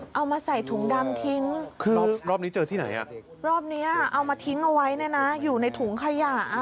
เอามาใส่ถุงดำทิ้งคือรอบนี้เจอที่ไหนอ่ะรอบนี้เอามาทิ้งเอาไว้เนี่ยนะอยู่ในถุงขยะ